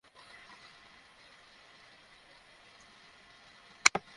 একজন মাস্টার আসবে।